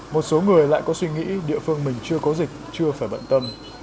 một số người lại có suy nghĩ địa phương mình chưa có dịch chưa phải bận tâm